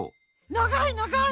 ながいながい！